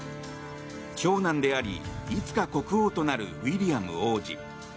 長男であり、いつか国王となるウィリアム王子。